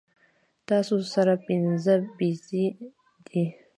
تاسو سره پنځۀ بيزې دي